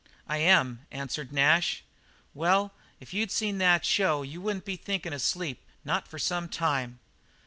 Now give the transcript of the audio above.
"I am," answered Nash. "Well, if you'd seen that show you wouldn't be thinkin' of sleep. Not for some time."